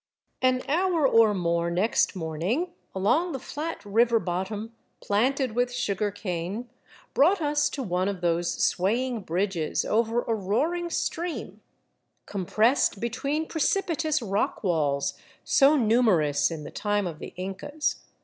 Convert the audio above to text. An hour or more next morning along the flat river bottom planted with sugar cane brought us to one of those swaying bridges over a roaring stream compressed between precipitous rock walls, so numer ous in the time of the Incas.